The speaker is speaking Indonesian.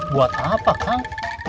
bua apa kang